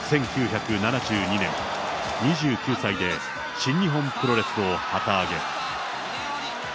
１９７２年、２９歳で新日本プロレスを旗揚げ。